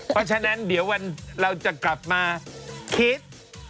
เพราะฉะนั้นเดี๋ยวเราจะกลับมาคิด